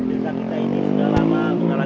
iya pak lurah